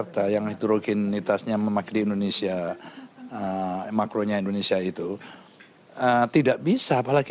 cak yang hidrogenitasnya memakai indonesia makronya indonesia itu tidak bisa apalagi